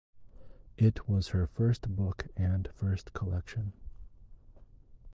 It was her first book and first collection.